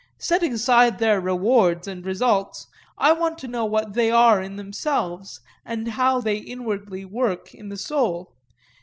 Setting aside their rewards and results, I want to know what they are in themselves, and how they inwardly work in the soul.